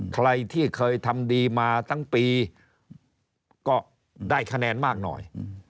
ใครที่เคยทำดีมาทั้งปีก็ได้คะแนนมากหน่อย